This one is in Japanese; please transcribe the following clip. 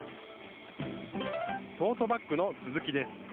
トートバッグの続きです。